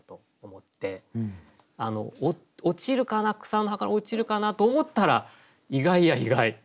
草の葉から落ちるかな？と思ったら意外や意外。